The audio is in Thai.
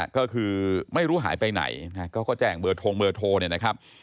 ก็คือไม่รู้หายไปไหนก็แจ้งเบอร์โทร